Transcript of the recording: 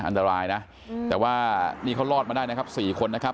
อันตรายนะแต่ว่านี่เขารอดมาได้นะครับ๔คนนะครับ